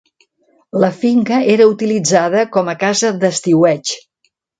La finca era utilitzada com a casa d'estiueig.